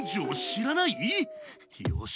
よし。